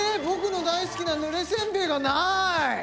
僕の大好きなぬれせんべいがない！